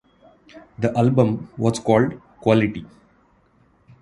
The album was called "Quality".